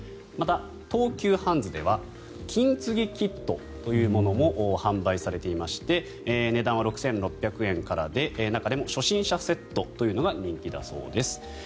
また東急ハンズでは金継ぎキットというものも販売されていまして値段は６６００円からで中でも初心者セットというのが人気だそうです。